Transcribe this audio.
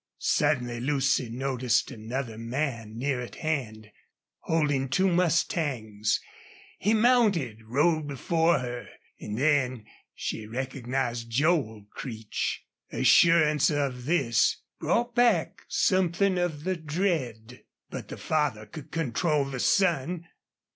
Suddenly Lucy noticed another man, near at hand, holding two mustangs. He mounted, rode before her, and then she recognized Joel Creech. Assurance of this brought back something of the dread. But the father could control the son!